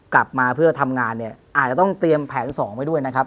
กลับมาเพื่อทำงานเนี่ยอาจจะต้องเตรียมแผนสองไว้ด้วยนะครับ